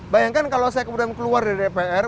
bayangkan kalau saya kemudian keluar dari dpr